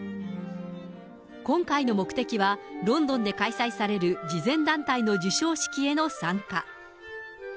今回の目的は、ロンドンで開催される慈善団体の授賞式への参加。